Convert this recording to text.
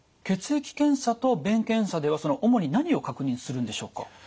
血液検査と便検査ではその主に何を確認するんでしょうか？